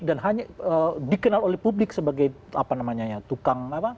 dan hanya dikenal oleh publik sebagai apa namanya ya tukang apa